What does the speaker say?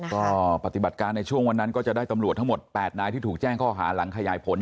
ก็ปฏิบัติการในช่วงวันนั้นก็จะได้ตำรวจทั้งหมด๘นายที่ถูกแจ้งข้อหาหลังขยายผล